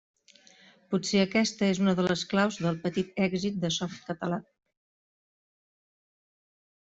Potser aquesta és una de les claus del petit èxit de Softcatalà.